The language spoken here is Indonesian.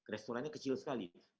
restorannya kecil sekali